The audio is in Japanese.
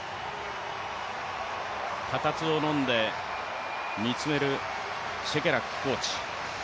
固唾をのんで見つめるシェケラックコーチ。